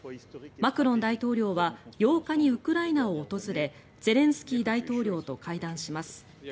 マクロン大統領は８日にウクライナを訪れゼレンスキー大統領と会談します。